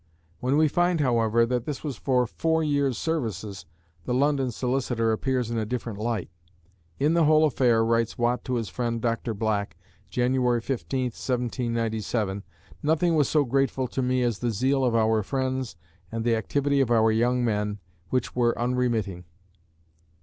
When we find however, that this was for four years' services, the London solicitor appears in a different light. "In the whole affair," writes Watt to his friend Dr. Black, January 15, 1797, "nothing was so grateful to me as the zeal of our friends and the activity of our young men, which were unremitting."